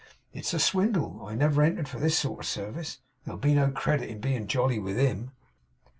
'It's a swindle. I never entered for this sort of service. There'll be no credit in being jolly with HIM!